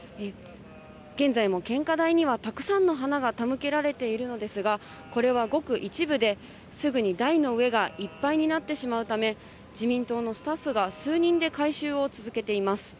現在も献花台にはたくさんの花が手向けられているのですが、これはごく一部で、すぐに台の上がいっぱいになってしまうため、自民党のスタッフが数人で回収を続けています。